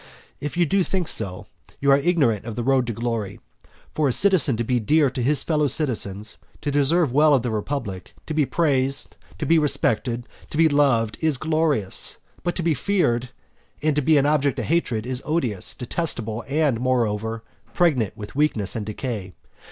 And if you do think so, you are ignorant of the road to glory. For a citizen to be dear to his fellow citizens, to deserve well of the republic, to be praised, to be respected, to be loved, is glorious; but to be feared, and to be an object of hatred, is odious, detestable; and moreover, pregnant with weakness and decay.